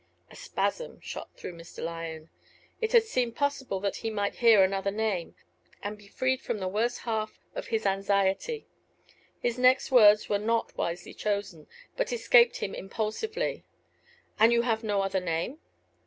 A spasm shot through Mr. Lyon. It had seemed possible that he might hear another name, and be freed from the worse half of his anxiety. His next words were not wisely chosen, but escaped him impulsively. "And you have no other name?"